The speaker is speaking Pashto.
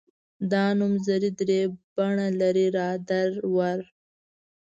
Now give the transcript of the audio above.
دا نومځري درې بڼې لري را در ور.